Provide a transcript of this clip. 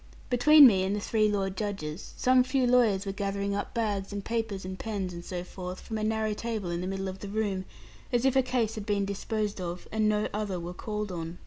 Between me and the three lord judges, some few lawyers were gathering up bags and papers and pens and so forth, from a narrow table in the middle of the room, as if a case had been disposed of, and no other were called on.